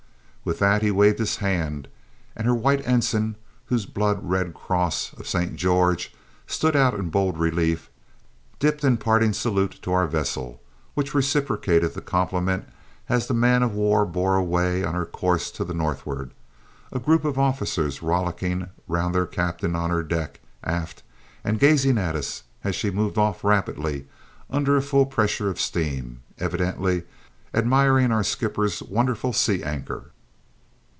With that he waved his hand, and her white ensign, whose blood red cross of Saint George stood out in bold relief, dipped in parting salute to our vessel, which reciprocated the compliment as the man of war bore away on her course to the northward, a group of officers rollicking round their captain on her deck aft and gazing at us as she moved off rapidly under a full pressure of steam, evidently admiring our skipper's wonderful sea anchor.